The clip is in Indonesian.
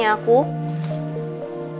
jadi aku mau ke sekolah ya